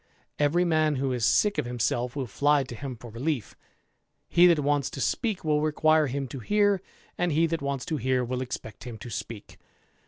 Eveif man who is sick of himself will fiy to him for relief ; he that wants to speak will requure him to hear ; and he that wants to hear will expect him to speak.